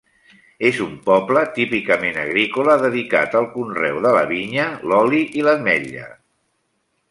És un poble típicament agrícola dedicat al conreu de la vinya, l'oli i l'ametla.